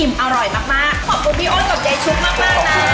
ขอบคุณค่ะ